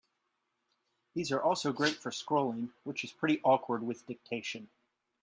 These are also great for scrolling, which is pretty awkward with dictation.